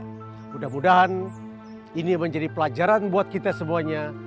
mudah mudahan ini menjadi pelajaran buat kita semuanya